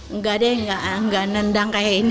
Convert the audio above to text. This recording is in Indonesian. enggak deh nggak nendang kayak ini